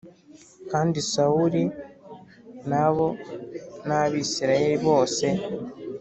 Kandi Sawuli na bo n’Abisirayeli bose